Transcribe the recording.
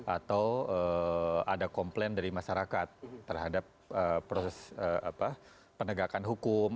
atau ada komplain dari masyarakat terhadap proses penegakan hukum